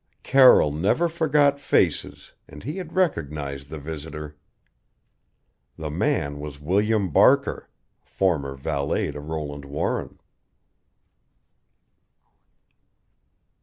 Carroll never forgot faces, and he had recognized the visitor. The man was William Barker, former valet to Roland Warren!